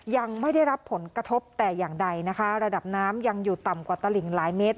ยังไม่ได้รับผลกระทบแต่อย่างใดนะคะระดับน้ำยังอยู่ต่ำกว่าตลิงหลายเมตร